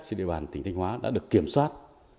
trên địa bàn tỉnh thanh hóa đã được kiểm soát